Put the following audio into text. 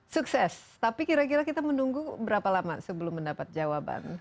sukses tapi kira kira kita menunggu berapa lama sebelum mendapat jawaban